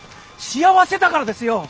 幸せだからですよ。